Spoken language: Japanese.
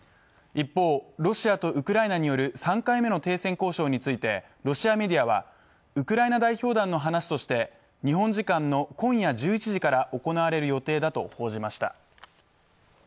一方、ロシアとウクライナによる３回目の停戦交渉についてロシアメディアは、ウクライナ代表団の話として日本時間の今夜１１時から行われる予定だと報じました。